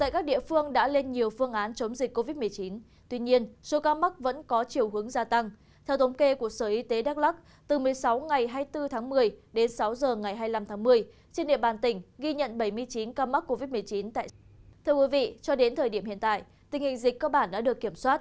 các bạn hãy đăng ký kênh để ủng hộ kênh của chúng mình nhé